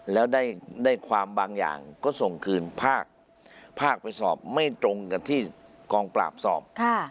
แล้วได้ความบางอย่างก็ส่งคืนภาคไปสอบไม่ตรงกับที่กองปราบสอบ